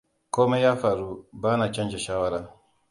Komai ya faru, bana canza shawara.